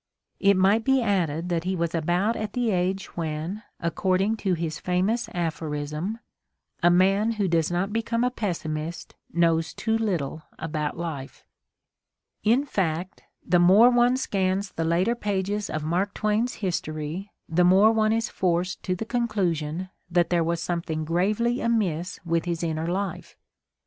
It might be added that he was about at the age when, according to his famous aphorism, a man who does not become a pessimist knows too little about life. 12 The Ordeal of Mark Twain In fact, the more one scans the later pages of Mark Twain's history the more one is forced to the conclusion that there was something gravely amiss with his inner life.